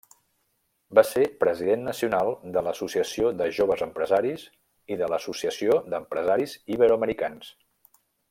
Va ser president nacional de l'Associació de Joves Empresaris i de l'Associació d'Empresaris Iberoamericans.